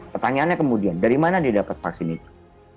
pertanyaannya kemudian dari mana didapat vaksin itu